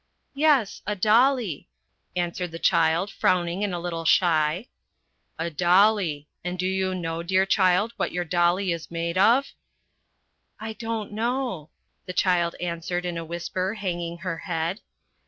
" Yes, a dolly," answered the child, frowning, and a little shy. " A dolly ... and do you know, dear child, what your dolly is made of ?"" I don't know ..." the child answered in a whisper, hanging her head.